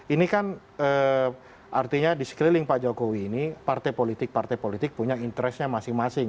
ini kan artinya di sekeliling pak jokowi ini partai politik partai politik punya interestnya masing masing